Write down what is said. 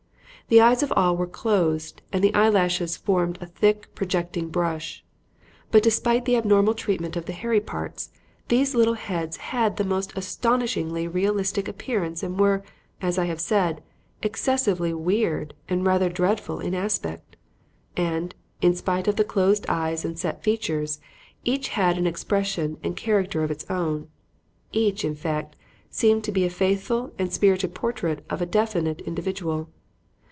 The eyes of all were closed and the eyelashes formed a thick, projecting brush. But despite the abnormal treatment of the hairy parts, these little heads had the most astonishingly realistic appearance and were, as I have said, excessively weird and rather dreadful in aspect. And, in spite of the closed eyes and set features, each had an expression and character of its own; each, in fact, seemed to be a faithful and spirited portrait of a definite individual.